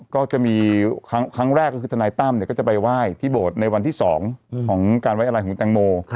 ก็จะมีครั้งแรกคือทนายตั้มเนี่ยก็จะไปไหว้ที่บทในวันที่สองของการไว้อะไรของตังโม